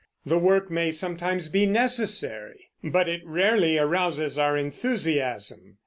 The work may sometimes be necessary, but it rarely arouses our enthusiasm.